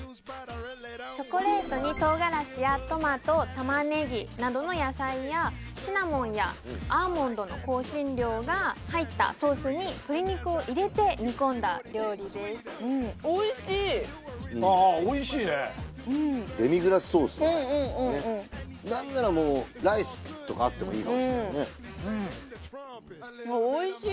チョコレートに唐辛子やトマトタマネギなどの野菜やシナモンやアーモンドの香辛料が入ったソースに鶏肉を入れて煮込んだ料理ですうんああおいしいねうんうんうんうんうん何ならもうあっおいしい